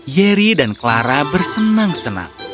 yeri dan clara bersenang senang